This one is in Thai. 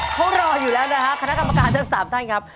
เขารออยู่แล้วนะฮะคณะกรรมการทั้ง๓ท่านครับ